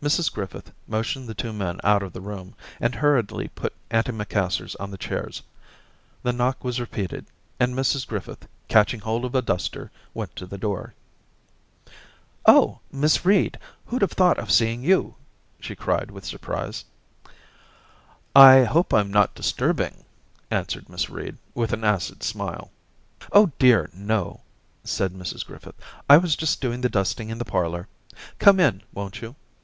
Mrs Griffith motioned the two men out of the room, and hurriedly put antimacassars on the chairs. The knock was repeated, and Mrs Griffith, catching hold of a duster, went to the door. 'Oh, Miss Reed! Who'd have thought of seeing you ?' she cried with surprise. ' I hope I'm not disturbing,' answered xVIiss Reed, with an acid smile* ' Oh, dear no 1 ' said Mrs Griffith. ' I was just doing the dusting in the parlour. Come in, won't you?